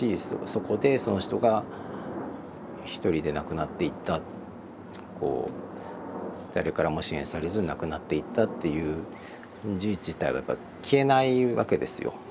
そこでその人が一人で亡くなっていった誰からも支援されず亡くなっていったっていう事実自体は消えないわけですよ。